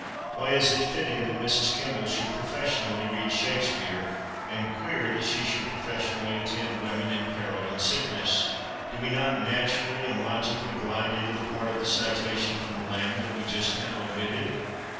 Why is it fitting that Mrs. Kemble should professionally read Shakespeare, and "queer" that she should professionally attend women in peril and sickness? Do we not naturally and logically glide into the part of the citation from Lamb that we just now omitted?